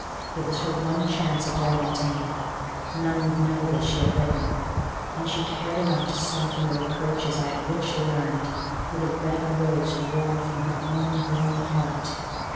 It was her one chance of writing to me. None would know that she had written. And she cared enough to soften the reproaches I had richly earned, with a red rose warm from her own warm heart.